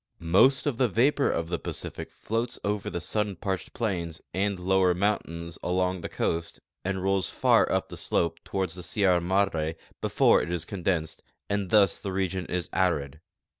Most of the vapor of the Pacific boats over the sun parched plains and loAver mountains along the coast and rolls far up the ,'SEIULAND . 127 slope toward the Sierra Madre before it is condensed, and thus the region is arid.